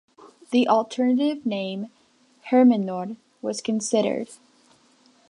The alternative name 'Herminoir' was considered.